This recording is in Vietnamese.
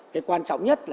cái quan trọng nhất